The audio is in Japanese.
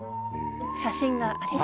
写真があります。